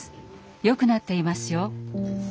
よくなっていますよ」。